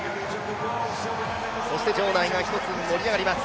そして場内が一つ盛り上がります。